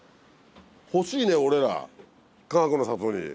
欲しいね俺らかがくの里に。